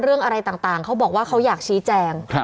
เรื่องอะไรต่างเขาบอกว่าเขาอยากชี้แจง